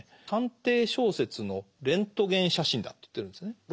「探偵小説のレントゲン写真だ」と言ってるんですね。